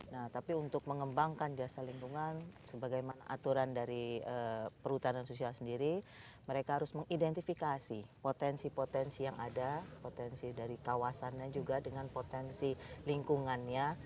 nah tapi untuk mengembangkan jasa lingkungan sebagaimana aturan dari perhutanan sosial sendiri mereka harus mengidentifikasi potensi potensi yang ada potensi dari kawasannya juga dengan potensi lingkungannya